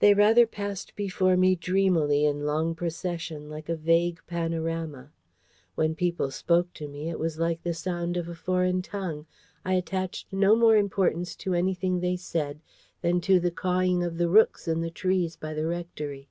They rather passed before me dreamily in long procession, like a vague panorama. When people spoke to me, it was like the sound of a foreign tongue. I attached no more importance to anything they said than to the cawing of the rooks in the trees by the rectory.